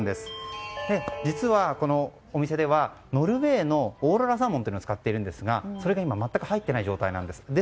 実は、このお店ではノルウェーのオーロラサーモンというのを使っているんですがそれが全く入っていないんです。